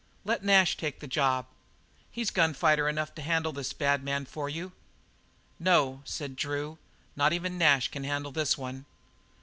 Let Nash take this job. He's gun fighter enough to handle this bad man for you." "No," said Drew, "not even Nash can handle this one."